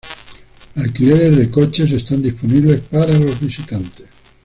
Alquileres de coches están disponible para los visitantes.